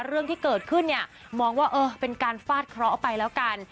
เรื่องที่เกิดขึ้นเนี่ยมองว่าเออเป็นการฟาดเคราะห์ไปแล้วกัน